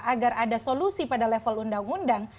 agar ada solusi pada level undang undang